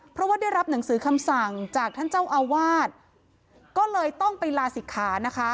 เพราะว่าได้รับหนังสือคำสั่งจากท่านเจ้าอาวาสก็เลยต้องไปลาศิกขานะคะ